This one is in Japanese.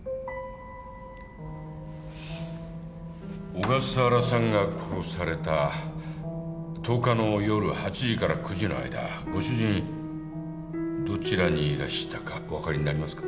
小笠原さんが殺された１０日の夜８時から９時の間ご主人どちらにいらしたかお分かりになりますか？